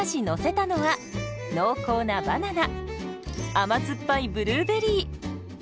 甘酸っぱいブルーベリー。